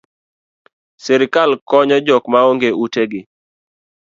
Sirkal konyo jok ma onge ute gi